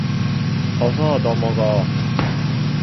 어서 더 먹어.